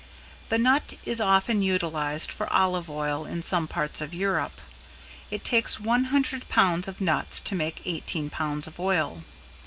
The nut is often utilized for olive oil in some parts of Europe. It takes one hundred pounds of nuts to make eighteen pounds of oil.